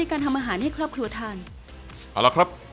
อะไรนะครับ